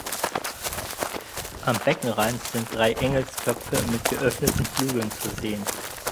Am Beckenrand sind drei Engelsköpfe mit geöffneten Flügeln zu sehen.